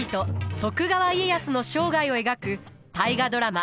徳川家康の生涯を描く大河ドラマ